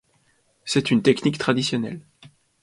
C'est une technique traditionnelle.